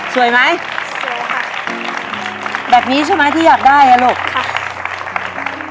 สวยไหมสวยค่ะแบบนี้ใช่ไหมที่อยากได้อ่ะลูกค่ะ